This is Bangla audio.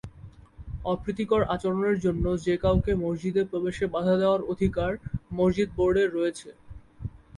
অপ্রীতিকর আচরণের জন্য যে কাউকে মসজিদে প্রবেশে বাধা দেওয়ার অধিকার মসজিদ বোর্ডের রয়েছে।